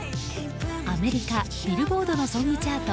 アメリカビルボールのソングチャート